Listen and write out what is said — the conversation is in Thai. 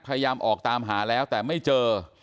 พยายามออกตามหาแล้วแต่ไม่เจอ